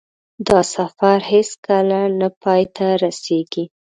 دا سفر هېڅکله نه پای ته رسېږي.